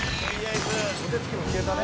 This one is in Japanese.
お手つきも消えたね。